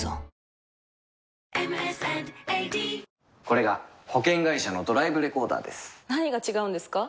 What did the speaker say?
これが保険会社のドライブレコーダーです何が違うんですか？